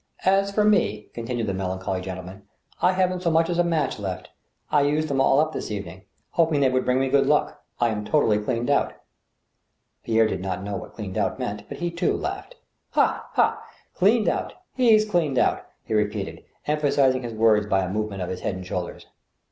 As for rae," continued the melancholy gentleman, I haven't so much as a match left ; I used them all up this evening — hoping they would bring me good luck. I am totally cleaned out." Pierre did not know what " cleaned out " meant, but he, too, laughed. " Ha ! ha ! cleaned out ! He's cleaned out I " he repeated, em phasizing his words by a movement of his head and shoulders.